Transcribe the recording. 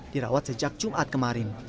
dirawat sejak jumat kemarin